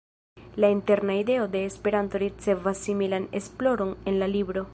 La interna ideo de Esperanto ricevas similan esploron en la libro.